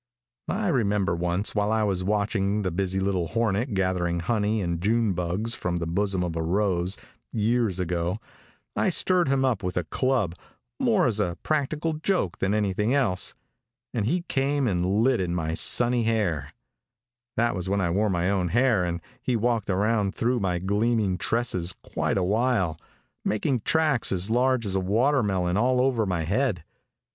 I remember once while I was watching the busy little hornet gathering honey and June bugs from the bosom of a rose, years ago, I stirred him up with a club, more as a practical joke than anything else, and he came and lit in my sunny hair that was when I wore my own hair and he walked around through my gleaming tresses quite awhile, making tracks as large as a watermelon all over my head.